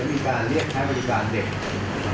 มีการเรียกใช้บริการเด็ก